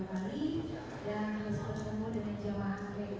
saya juga harus posting di istana bu